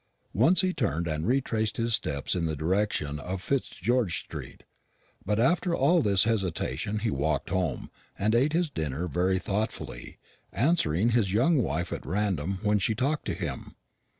Once he turned and retraced his steps in the direction of Fitzgeorge street. But after all this hesitation he walked home, and ate his dinner very thoughtfully, answering his young wife at random when she talked to him.